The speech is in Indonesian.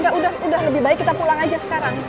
udah lebih baik kita pulang aja sekarang